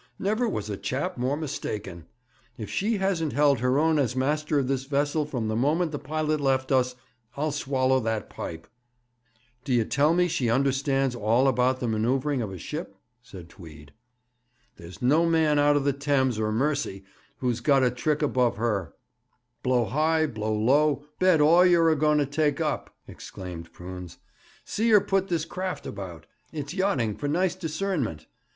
Never was a chap more mistaken. If she hasn't held her own as master of this vessel from the moment the pilot left us, I'll swallow that pipe.' 'D'ye tell me she understands all about the manoeuvring of a ship?' said Tweed. 'There's no man out of the Thames or Mersey who's got a trick above her, blow high, blow low, bet all you're a going to take up!' exclaimed Prunes. 'See her put this craft about! It's yachting for nice discernment.